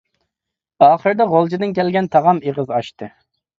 ئاخىردا غۇلجىدىن كەلگەن تاغام ئېغىز ئاچتى.